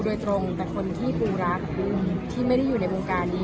โดยตรงแต่คนที่ปูรักปูที่ไม่ได้อยู่ในวงการนี้